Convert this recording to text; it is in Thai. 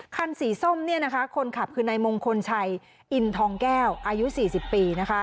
คันสีส้มคนขับคือนายมงคลชัยอินทองแก้วอายุ๔๐ปี